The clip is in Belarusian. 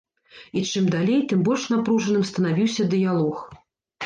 І чым далей, тым больш напружаным станавіўся дыялог.